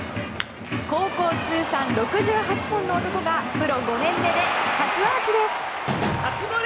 高校通算６８本の男がプロ５年目で初アーチです。